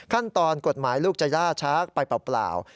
ขั้นตอนกฎหมายลูกจะย่าช้าไปเปล่า